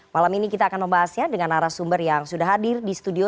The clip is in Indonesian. malam ini kita akan membahasnya dengan arah sumber yang sudah hadir di studio